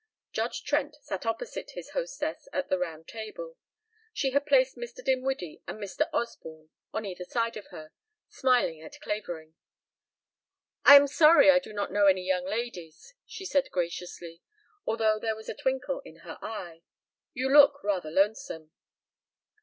Judge Trent sat opposite his hostess at the round table. She had placed Mr. Dinwiddie and Mr. Osborne on either side of her, smiling at Clavering. "I am sorry I do not know any young ladies," she said graciously, although there was a twinkle in her eye. "You look rather lonesome."